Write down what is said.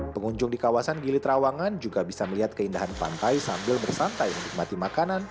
pengunjung di kawasan gili trawangan juga bisa melihat keindahan pantai sambil bersantai menikmati makanan